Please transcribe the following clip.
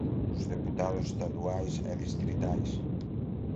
os deputados estaduais e distritais;